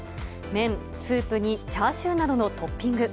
麺、スープにチャーシューなどのトッピング。